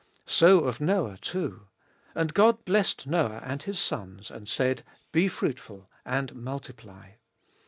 So of Noah too : And God blessed Noah and his sons, and said, Be fruitful and multiply.